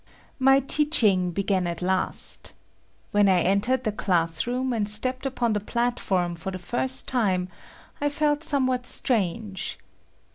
My teaching began at last. When I entered the class room and stepped upon the platform for the first time, I felt somewhat strange.